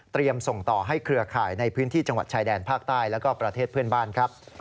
ส่งต่อให้เครือข่ายในพื้นที่จังหวัดชายแดนภาคใต้แล้วก็ประเทศเพื่อนบ้านครับ